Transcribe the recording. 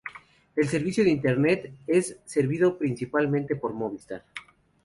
El servicio de Internet es servido principalmente por Movistar.